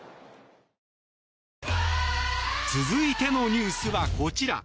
続いてのニュースはこちら。